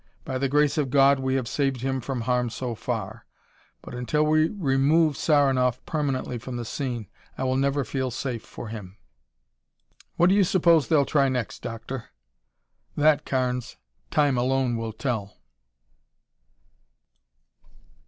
By the grace of God, we have saved him from harm so far, but until we remove Saranoff permanently from the scene, I will never feel safe for him." "What do you suppose they'll try next, Doctor?" "That, Carnes, time alone will tell."